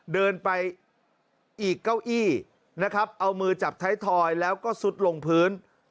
เดินไปอีกเก้าอี้นะครับเอามือจับท้ายทอยแล้วก็ซุดลงพื้น